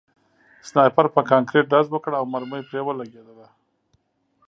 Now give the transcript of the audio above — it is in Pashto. سنایپر په کانکریټ ډز وکړ او مرمۍ پرې ولګېده